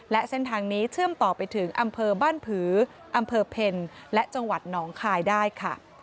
และเส้นทางนี้เชื่อมต่อไปถึงอำเภอบ้านผืออำเภอเพ็ญและจังหวัดหนองคายได้ค่ะ